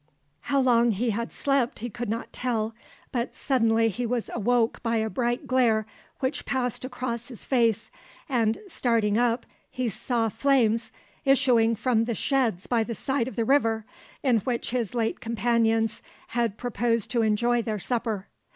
How long he had slept he could not tell, but suddenly he was awoke by a bright glare which passed across his face, and starting up he saw flames issuing from the sheds by the side of the river, in which his late companions had proposed to enjoy their supper.